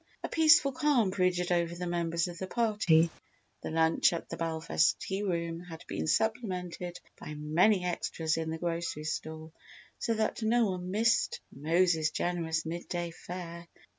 A peaceful calm brooded over the members of the party the lunch at the Belfast tea room had been supplemented by many extras in the grocery store so that no one missed Mose's generous midday fare.